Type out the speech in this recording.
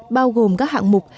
bao gồm các hạng mục